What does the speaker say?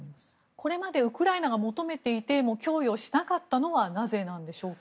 これまでウクライナが求めていても供与しなかったのはなぜなんでしょうか？